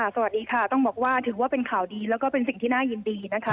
สวัสดีค่ะต้องบอกว่าถือว่าเป็นข่าวดีแล้วก็เป็นสิ่งที่น่ายินดีนะคะ